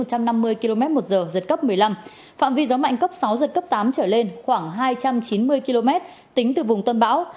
sức gió mạnh nhất vùng gần tâm bão mạnh cấp một mươi năm phạm vi gió mạnh cấp sáu giật cấp tám trở lên khoảng hai trăm chín mươi km tính từ vùng tâm bão